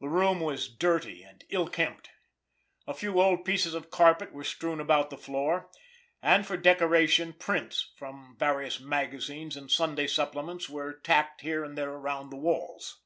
The room was dirty and ill kempt. A few old pieces of carpet were strewn about the floor, and for decoration prints from various magazines and Sunday supplements were tacked here and there around the walls.